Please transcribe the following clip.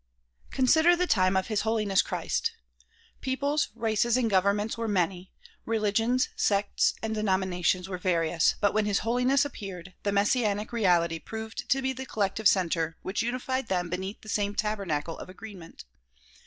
Consider the time of His Holiness Christ. Peoples, races and governments were many, religions, sects and denominations were various but when His Holiness appeared, the messianic reality proved to be the collective center which unified them beneath the same tabernacle of agreement.